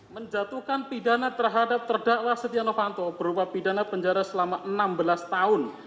menjatuhkan pidana terhadap terdakwa setia novanto berupa pidana penjara selama enam belas tahun